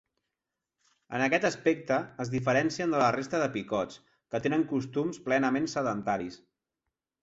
En aquest aspecte, es diferencien de la resta de picots, que tenen costums plenament sedentaris.